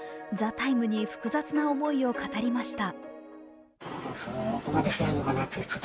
「ＴＨＥＴＩＭＥ，」に複雑な思いを語りました。